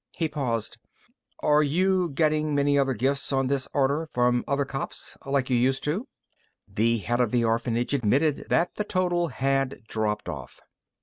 He paused. "Are you gettin' many other gifts on this order, from other cops? Like you used to?" The head of the orphanage admitted that the total had dropped off.